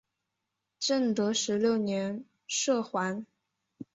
正德十六年赦还。